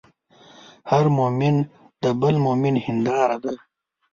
هر مؤمن د بل مؤمن هنداره ده.